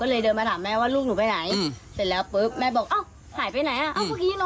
ก็ดูยังไม่ชัวร์พี่ก็กินว่าเขาเอาไปเล่นกันในแถวบ้าน